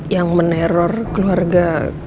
yang meneror keluarga